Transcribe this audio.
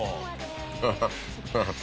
ハハハハ。